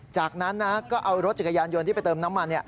จากนั้นนะก็เอารถจักรยานยนต์ที่ไปเติมน้ำมัน